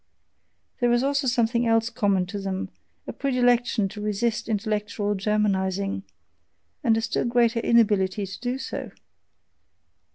There is also something else common to them: a predilection to resist intellectual Germanizing and a still greater inability to do so!